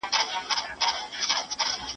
اقتصاد او ټولنپوهنه نږدې خپلوي لري.